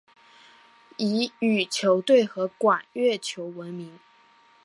以羽球队和管乐团闻名。